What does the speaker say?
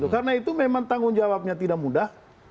karena itu memang tanggung jawabnya tidak mudah